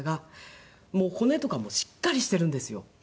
骨とかもしっかりしてるんですよ。